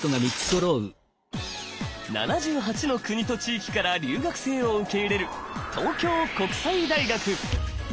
７８の国と地域から留学生を受け入れる東京国際大学。